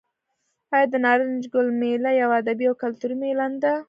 آیا د نارنج ګل میله یوه ادبي او کلتوري میله نه ده؟